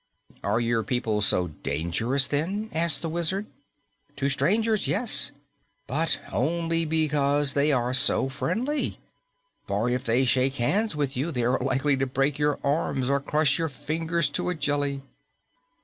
"Are your people so dangerous, then?" asked the Wizard. "To strangers, yes. But only because they are so friendly. For if they shake hands with you, they are likely to break your arms or crush your fingers to a jelly."